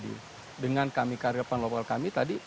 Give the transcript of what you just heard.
saya hanya menambahkan dengan kami karyawan lokal tadi